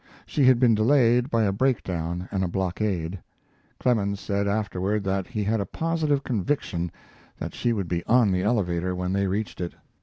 She had been delayed by a breakdown and a blockade. Clemens said afterward that he had a positive conviction that she would be on the elevator when they reached it.